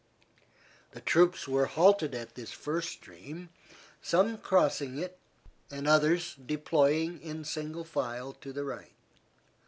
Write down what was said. The troops were halted at this first stream, some crossing it, and others deploying in single file to the right.